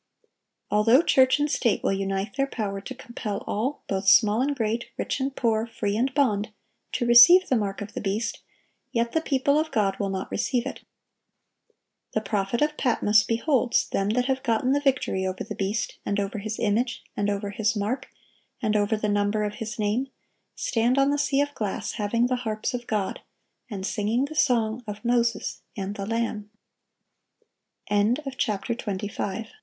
Although church and state will unite their power to compel "all, both small and great, rich and poor, free and bond," to receive "the mark of the beast,"(759) yet the people of God will not receive it. The prophet of Patmos beholds "them that had gotten the victory over the beast, and over his image, and over his mark, and over the number of his name, stand on the sea of glass, having the harps of God," and singing the song of Moses and the Lamb.(760) 26. A WORK OF REFORM.